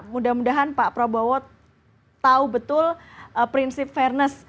mudah mudahan pak prabowo tahu betul prinsip fairness